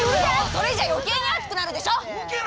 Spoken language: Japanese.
それじゃ余計に暑くなるでしょ！